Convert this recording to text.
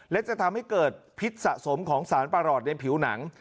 และจะทำให้เกิดพิษสะสมของสารประหลอดในผิวหนัง